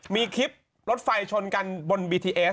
มีคลิปรถไฟชนกันบนบีทีเอส